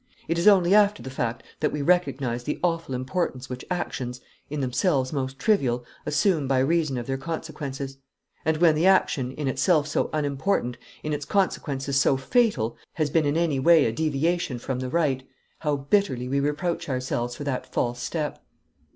It is only after the fact that we recognise the awful importance which actions, in themselves most trivial, assume by reason of their consequences; and when the action, in itself so unimportant, in its consequences so fatal, has been in any way a deviation from the right, how bitterly we reproach ourselves for that false step!